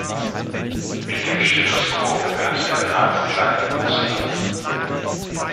Mit dem Stethoskop hört der Arzt seine Brust ab.